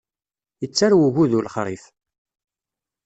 Yettarew ugudu lexṛif.